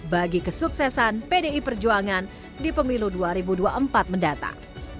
bagi kesuksesan pdi perjuangan di pemilu dua ribu dua puluh empat mendatang